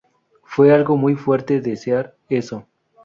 Fue algo muy fuerte desear eso.